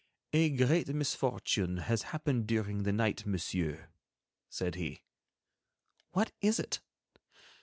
"A great misfortune has happened during the night, Monsieur," said he. "What is it?"